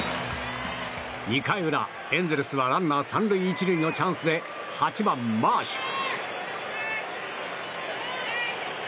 ２回裏、エンゼルスはランナー３塁１塁のチャンスで８番、マーシュ。